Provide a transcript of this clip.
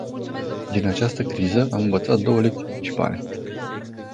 Din această criză, am învățat două lecții principale.